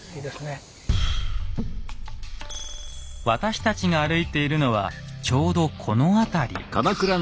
私たちが歩いているのはちょうどこの辺り。